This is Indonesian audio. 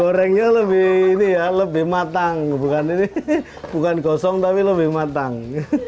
gorengnya lebih ini ya lebih matang bukan ini bukan gosong tapi lebih matang